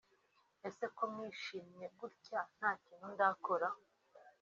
“Ese ko mwishimye gutya nta kintu ndakora